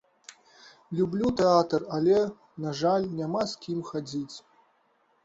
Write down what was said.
Люблю тэатр, але, на жаль, няма з кім хадзіць.